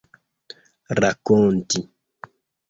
rakonti